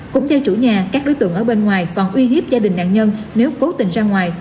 cũng theo chủ nhà các đối tượng ở bên ngoài còn uy hiếp gia đình nạn nhân nếu cố tình ra ngoài